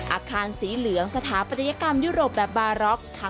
อาคารสีเหลืองสถาปัตยกรรมยุโรปแบบบาร็อก